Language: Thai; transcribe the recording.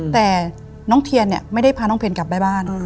แต่น้องเทียนเนี่ยไม่ได้พาน้องเพนกลับไปบ้าน